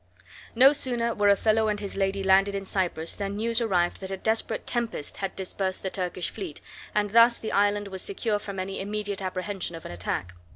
No sooner were Othello and his lady landed in Cyprus than news arrived that a desperate tempest had dispersed the Turkish fleet, and thus the island was secure from any immediate apprehension of an attack.